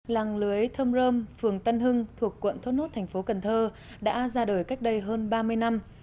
làng lưới thông rơm phường tân hưng thuộc quận thốt nốt thành phố cần thơ đã ra đời cách đây hơn ba mươi năm